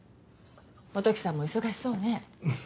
基樹さんも忙しそうね。